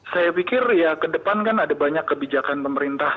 saya pikir ya ke depan kan ada banyak kebijakan pemerintah